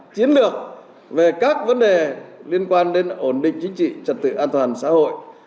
chiến lược về các vấn đề liên quan đến ổn định chính trị trật tự an toàn xã hội